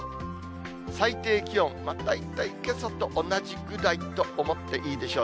最低気温、大体けさと同じくらいと思っていいでしょう。